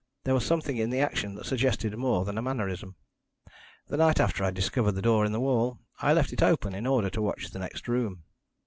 There was something in the action that suggested more than a mannerism. The night after I discovered the door in the wall, I left it open in order to watch the next room.